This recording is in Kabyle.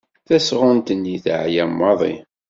Tasɣunt-nni teɛya maḍi.